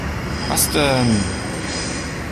Was denn?